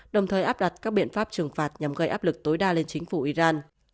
đồng thời áp đặt các biện pháp trừng phạt nhằm gây áp lực tối đa lên chính phủ iran